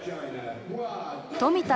富田